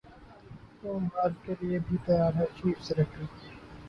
قوم ہار کیلئے بھی تیار رہے چیف سلیکٹر